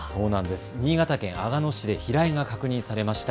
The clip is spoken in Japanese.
新潟県阿賀野市で飛来が確認されました。